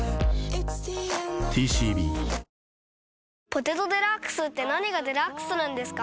「ポテトデラックス」って何がデラックスなんですか？